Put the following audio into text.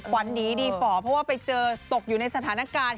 ควรดีดีฟอร์เพราะว่าไปเจอตกอยู่ในสถานการณ์